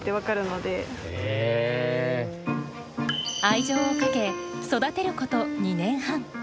愛情をかけ育てること２年半。